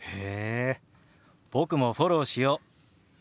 僕もフォローしよう。